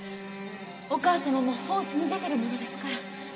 お義母様も法事で出てるものですから。